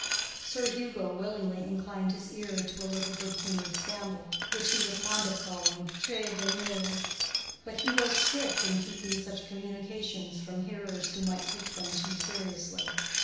Sir Hugo willingly inclined his ear to a little good humored scandal, which he was fond of calling traits de mœurs; but he was strict in keeping such communications from hearers who might take them too seriously.